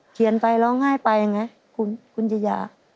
เขียนไปเล่าง่ายไปไงคุณยายา